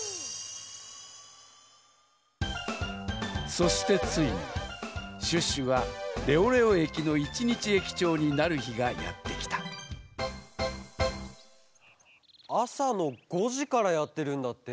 そしてついにシュッシュがレオレオ駅の一日駅長になるひがやってきたあさの５じからやってるんだって？